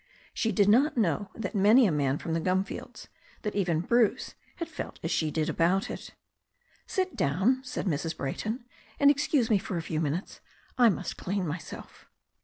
She did not know that many a man from the gum fields, that even Bruce, had felt as she did about it. "Sit down," said Mrs. Brayton, "and excuse me for a few minutes. I must clean myself."